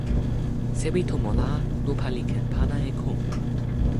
sewi tomo la, lupa li ken pana e kon.